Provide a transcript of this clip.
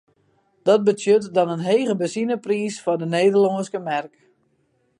Dat betsjut dan in hege benzinepriis foar de Nederlânske merk.